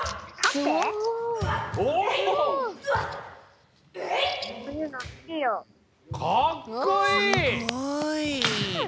すごい！